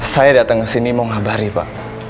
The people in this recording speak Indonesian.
saya datang ke sini mau ngabari pak